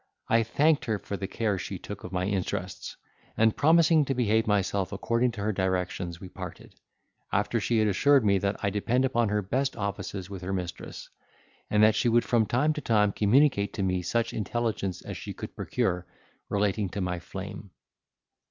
I thanked her for the care she took of my interests, and, promising to behave myself according to her directions we parted, after she had assured me that I depend upon her best offices with her mistress, and that she would from time to time communicate to me such intelligence as she could procure, relating to my flame.